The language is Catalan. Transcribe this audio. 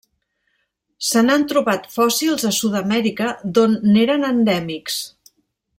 Se n'han trobat fòssils a Sud-amèrica, d'on n'eren endèmics.